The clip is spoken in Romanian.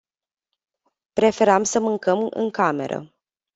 Preferam să mâncăm în cameră.